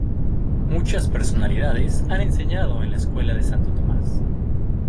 Muchas personalidades han enseñado en la escuela de Santo Tomás.